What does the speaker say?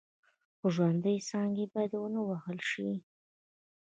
خو ژوندۍ څانګې باید ونه وهل شي.